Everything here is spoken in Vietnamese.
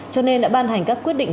cho nên đã ban hành các quyết định